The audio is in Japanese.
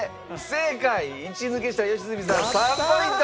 １抜けした良純さん３ポイント。